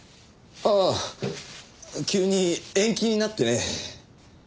ああ急に延期になってね。